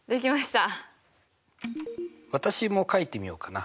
私もかいてみようかな。